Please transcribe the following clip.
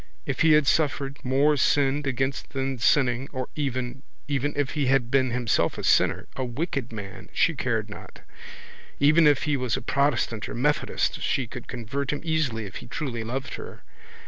If he had suffered, more sinned against than sinning, or even, even, if he had been himself a sinner, a wicked man, she cared not. Even if he was a protestant or methodist she could convert him easily if he truly loved her.